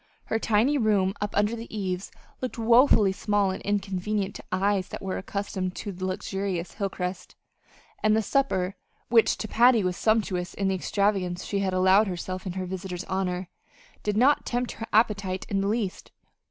Her tiny room up under the eaves looked woefully small and inconvenient to eyes that were accustomed to luxurious Hilcrest; and the supper which to Patty was sumptuous in the extravagance she had allowed herself in her visitor's honor did not tempt her appetite in the least.